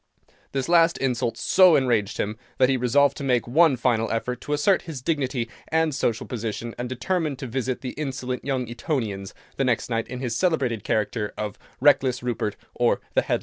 This last insult so enraged him, that he resolved to make one final effort to assert his dignity and social position, and determined to visit the insolent young Etonians the next night in his celebrated character of "Reckless Rupert, or the Headless Earl."